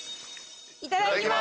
いただきます。